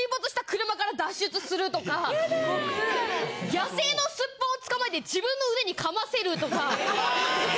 野生のスッポンを捕まえて自分の腕に噛ませるとか。